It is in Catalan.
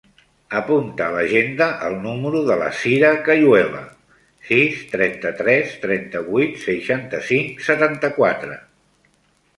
Apunta a l'agenda el número de la Sira Cayuela: sis, trenta-tres, trenta-vuit, seixanta-cinc, setanta-quatre.